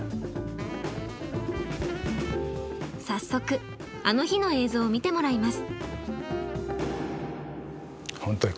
早速「あの日」の映像を見てもらいます。